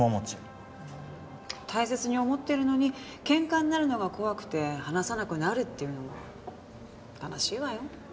大切に思ってるのに喧嘩になるのが怖くて話さなくなるっていうのは悲しいわよ。